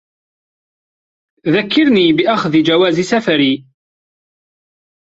ذكّرني بأخذ جواز سفري.